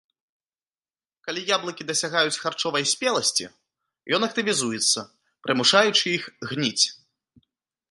Калі яблыкі дасягаюць харчовай спеласці, ён актывізуецца, прымушаючы іх гніць.